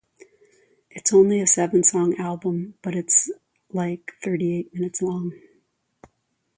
It's only a seven-song album, but it's, like thirty-eight minutes long.